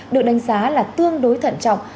được đánh giá là tương đối thận trọng